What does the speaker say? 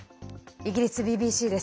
イギリスＢＢＣです。